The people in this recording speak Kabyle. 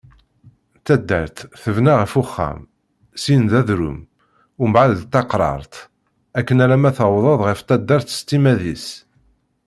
Taddart, tebna ɣef uxxam, syin n d adrum mbeɛd d taqrart, akken alamma tewwḍeḍ ɣer taddart s timmad-is.